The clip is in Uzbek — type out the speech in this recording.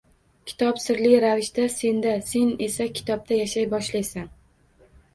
Kitob sirli ravishda senda, sen esa kitobda yashay boshlaysan.